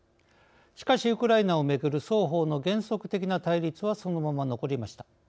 しかしウクライナをめぐる双方の原則的な対立はそのまま残りました。